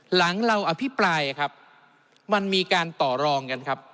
หลังเราอภิปรายครับมันมีการต่อรองกันครับ